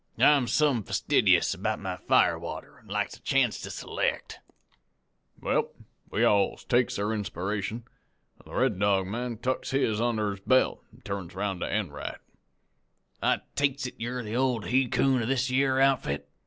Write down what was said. I'm some fastidious about my fire water an' likes a chance to select.' "Well, we alls takes our inspiration, an' the Red Dog man tucks his onder his belt an' then turns round to Enright. "'I takes it you're the old he coon of this yere outfit?'